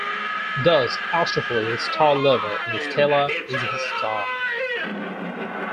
Thus Astrophil is the star lover, and Stella is his star.